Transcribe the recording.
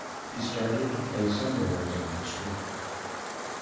He started to play some roles in the script.